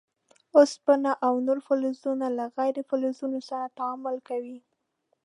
اوسپنه او نور فلزونه له غیر فلزونو سره تعامل کوي.